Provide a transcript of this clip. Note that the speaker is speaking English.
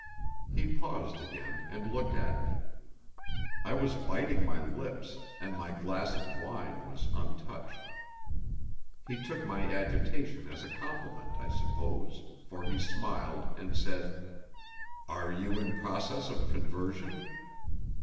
He paused again and looked at me. I was biting my lips, and my glass of wine was untouched. He took my agitation as a compliment, I suppose, for he smiled and said: "Are you in process of conversion?"